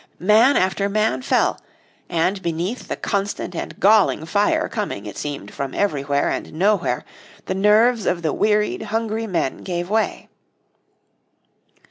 Man after man fell, and beneath the constant and galling fire coming, it seemed from everywhere and nowhere, the nerves of the wearied, hungry men gave way.